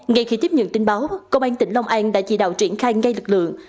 ngay khi tiếp nhận tin báo công an tỉnh long an đã chỉ đạo triển khai ngay lực lượng